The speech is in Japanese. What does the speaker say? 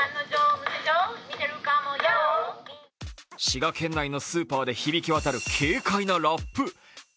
滋賀県内のスーパーで響きわたる軽快なラップ。